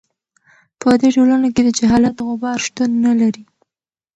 په دې ټولنه کې د جهالت غبار شتون نه لري.